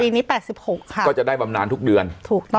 ปีนี้แปดสิบหกค่ะก็จะได้บำนานทุกเดือนถูกต้องค่ะ